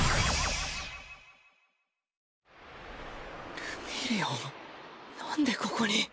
ルミリオンなんでここに。